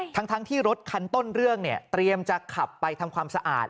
ทั้งที่รถคันต้นเรื่องเนี่ยเตรียมจะขับไปทำความสะอาด